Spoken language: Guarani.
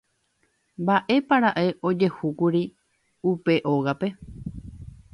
Mba'épara'e ojehúkuri upe ógape.